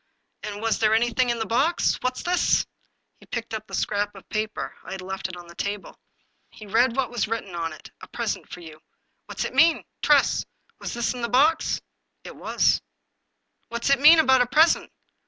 "And was there anything in the box? What's this?" He picked up the scrap of paper ; I had left it on the table. He read what was written on it :"' A Present For You.* What's it mean ? Tress, was this in the box ?"" It was." " What's it mean about a present?